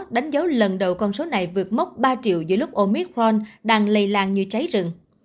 đánh dấu lần đầu con số này vượt mốc ba triệu giữa lúc omitron đang lây lan như cháy rừng